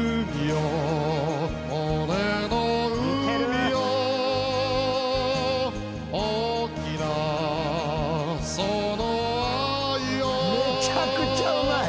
めちゃくちゃうまい！